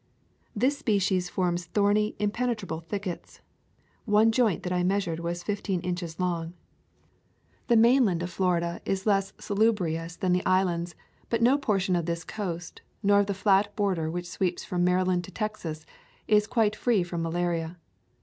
This species forms thorny, impenetrable thickets. One joint that I measured was fifteen inches long. The mainland of Florida is less salubrious 1 Of the original journal. [ 135 ] A Thousand Mile Walb than the islands, but no portion of this coast, nor of the flat border which sweeps from Mary land to Texas, is quite free from malaria.